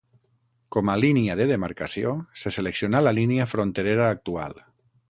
Com a línia de demarcació, se seleccionà la línia fronterera actual.